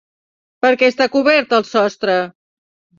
Per què està cobert el sostre?